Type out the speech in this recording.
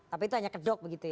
tapi itu hanya kedok begitu ya